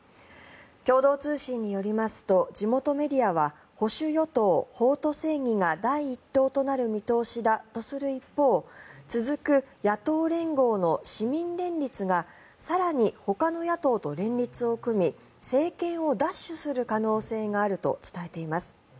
共同通信によりますと地元メディアは保守与党・法と正義が第１党となる見通しだとする一方続く野党連合の市民連立が更にほかの野党と連立を組み政権を奪取する可能性があると伝えています。